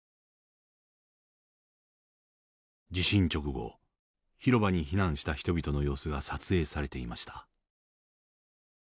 地震直後広場に避難した人々の様子が撮影されていました。